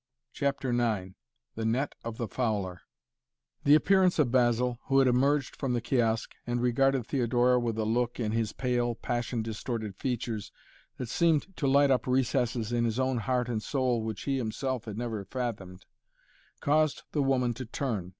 CHAPTER IX THE NET OF THE FOWLER The appearance of Basil who had emerged from the kiosk and regarded Theodora with a look in his pale, passion distorted features that seemed to light up recesses in his own heart and soul which he himself had never fathomed, caused the woman to turn.